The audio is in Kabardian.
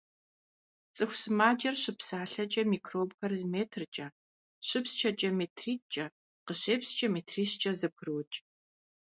ЦӀыху сымаджэр щыпсалъэкӀэ микробхэр зы метркӀэ, щыпсчэкӀэ метритӏкӀэ, къыщепскӀэ метрищкӀэ зэбгрокӀ.